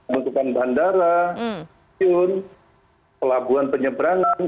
penutupan bandara simpul pelabuhan penyebrangan